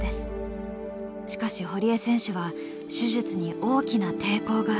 しかし堀江選手は手術に大きな抵抗がありました。